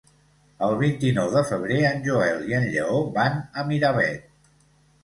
El vint-i-nou de febrer en Joel i en Lleó van a Miravet.